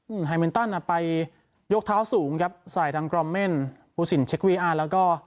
ไฮมินตันอ่ะไปยกเท้าสูงครับใส่ทางกรอมเม่นภูสินเช็ควีอาร์แล้วก็